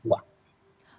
ketimbang pemilih tua